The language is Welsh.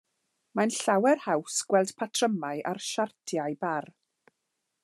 Mae'n llawer haws gweld patrymau ar siartiau bar.